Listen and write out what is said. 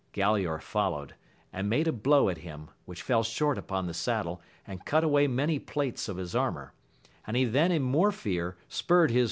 Galaor fol lowed, and made a blow at him, which fell short upon the saddle, and cut away many plates of his armour : and he th^n in more fei, spuLd his hoi.